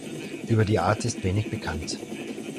Über die Art ist wenig bekannt.